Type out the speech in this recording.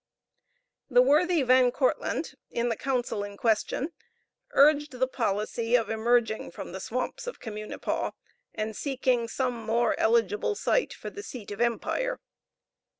The worthy Van Kortlandt, in the council in question, urged the policy of emerging from the swamps of Communipaw and seeking some more eligible site for the seat of empire.